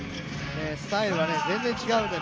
スタイルが全然違うので